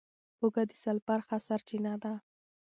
هوږه د سلفر ښه سرچینه ده.